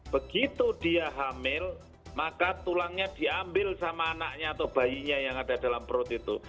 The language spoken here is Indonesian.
begitu dia hamil maka tulangnya diambil sama anaknya atau bayinya yang ada dalam perut itu